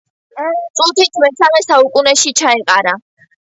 წ–ით მესამე საუკუნეში ჩაეყარა.